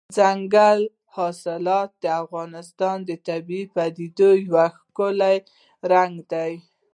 دځنګل حاصلات د افغانستان د طبیعي پدیدو یو ښکلی رنګ دی.